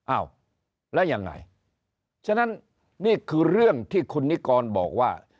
อ้าวแล้วยังไงฉะนั้นนี่คือเรื่องที่คุณนิกรบอกว่า